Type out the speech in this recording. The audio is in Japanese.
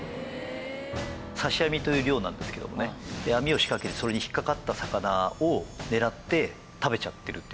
刺し網という漁なんですけどもね網を仕掛けてそれに引っかかった魚を狙って食べちゃってるという。